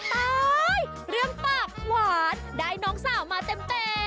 ตายเรื่องปากหวานได้น้องสาวมาเต็ม